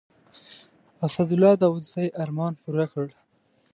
اسدالله داودزي ارمان پوره کړ.